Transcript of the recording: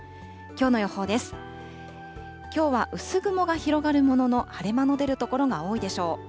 きょうは薄雲が広がるものの、晴れ間の出る所が多いでしょう。